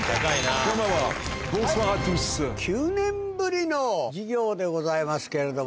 こんばんは！の授業でございますけれども。